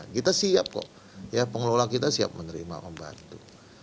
kita siap kok ya pengelola kita siap menerima pembantu